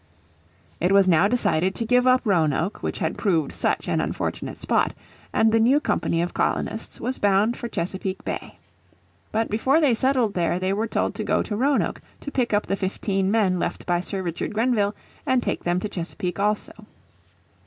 It was now decided to give up Roanoke which had proved such an unfortunate spot, and the new company of colonists was bound for Chesapeake Bay. But before they settled there they were told to go to Roanoke to pick up the fifteen men left by Sir Richard Grenville and take them to Chesapeake also.